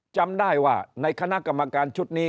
จำได้ว่าในคณะกรรมการชุดนี้